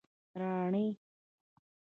مراڼی